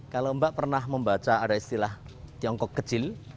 kalau mbak pernah membaca ada istilah tiongkok kecil